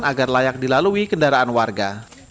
agar layak dilalui kendaraan warga